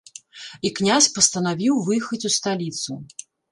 І князь пастанавіў выехаць у сталіцу.